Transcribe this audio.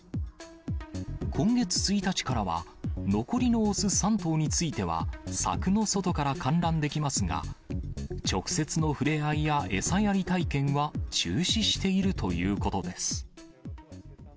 今月１日からは、残りの雄３頭については、柵の外から観覧できますが、直接のふれあいや餌やり体験は中止しているということです。